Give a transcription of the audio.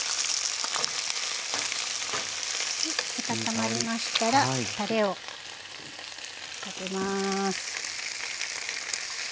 温まりましたらたれをかけます。